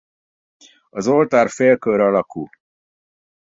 Az oltár félkör alakú.